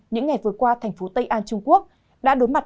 những ngày vừa qua thành phố tây an trung quốc